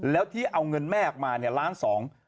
แล้วที่เอาเงินแม่ออกมาเนี่ยล้านสอง